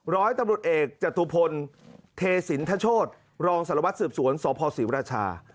ร้อยตำรวจเอกจตุพลเทสินทโชธรองสารวัตรสืบสวนสพศรีวราชา